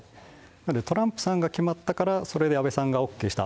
なので、トランプさんが決まったから、それで安倍さんがＯＫした。